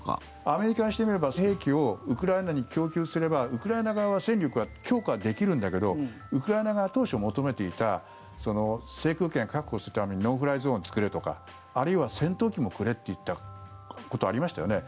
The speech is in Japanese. アメリカにしてみれば兵器をウクライナに供給すればウクライナ側は戦力が強化できるんだけどウクライナ側が当初求めていた制空権確保するためにノー・フライ・ゾーン作れとかあるいは戦闘機もくれって言ってたことありましたよね。